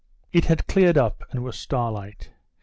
It had cleared up and was starlight.